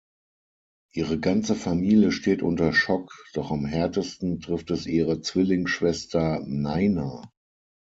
Ihre ganze Familie steht unter Schock, doch am härtesten trifft es ihre Zwillingsschwester Naina.